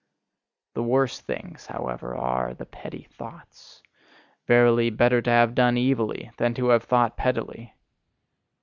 The worst things, however, are the petty thoughts. Verily, better to have done evilly than to have thought pettily!